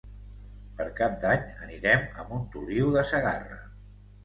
Per Cap d'Any anirem a Montoliu de Segarra.